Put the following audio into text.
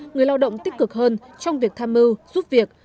người lao động tích cực hơn trong việc tham mưu giúp việc